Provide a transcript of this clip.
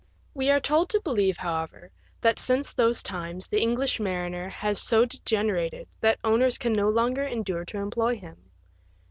We are told to believe, however, that since those times the English mariner has so degenerated that owners can no longer endure to employ him.